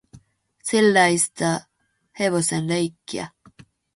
Sellaista hevosen leikkiä.